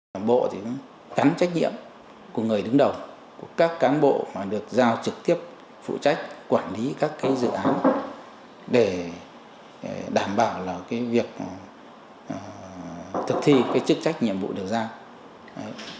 các bộ cắn trách nhiệm của người đứng đầu của các cán bộ mà được giao trực tiếp phụ trách quản lý các dự án để đảm bảo việc thực thi chức trách nhiệm vụ được giao